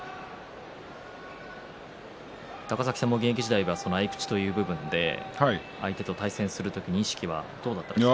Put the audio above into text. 高崎さんも現役時代は合い口という部分で相手と対戦する時はどうでしたか？